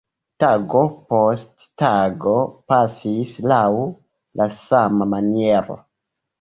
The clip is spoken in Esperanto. Tago post tago pasis laŭ la sama maniero.